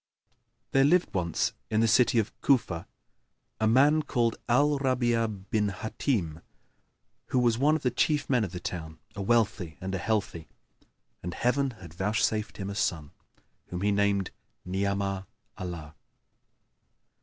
There lived once in the city of Cufa[FN#1] a man called Al Rabн'a bin Hбtim, who was one of the chief men of the town, a wealthy and a healthy, and Heaven had vouchsafed him a son, whom he named Ni'amah Allah.